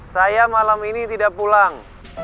saya malam ini tidak pulang